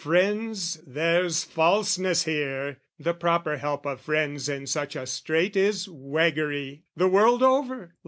"Friends, there's falseness here!" The proper help of friends in such a strait Is waggery, the world over.